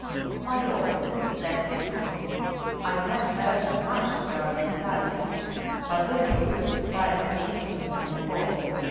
"My lord," said the king, "I have heard much of your hospitality, but the truth far exceeds the report.